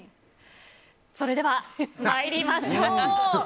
それでは、参りましょう。